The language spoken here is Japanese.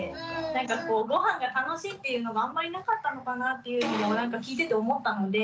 なんかごはんが楽しいっていうのがあんまりなかったのかなっていうふうにも聞いてて思ったので。